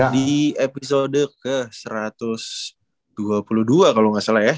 di episode ke satu ratus dua puluh dua kalau nggak salah ya